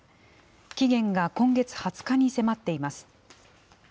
期限が今月２０日に迫っています。